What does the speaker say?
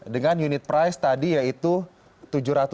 dengan unit price tadi yaitu rp tujuh ratus